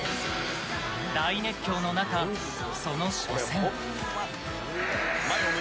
大熱狂の中、その初戦。